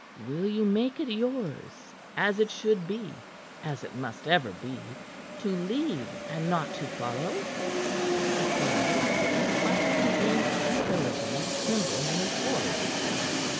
"Will you make it yours, as it should be as it must ever be to lead and not to follow?" he cried, flattering incredibility trembling in his voice.